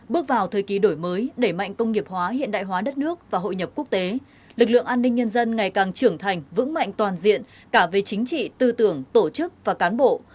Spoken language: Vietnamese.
bước vào thời kỳ đổi mới đẩy mạnh công nghiệp hóa hiện đại hóa đất nước và hội nhập quốc tế lực lượng an ninh nhân dân ngày càng trưởng thành vững mạnh toàn diện cả về chính trị tư tưởng tổ chức và cán bộ